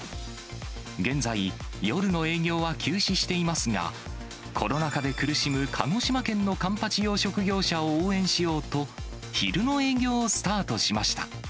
現在、夜の営業は休止していますが、コロナ禍で苦しむ鹿児島県のカンパチ養殖業者を応援しようと、昼の営業をスタートしました。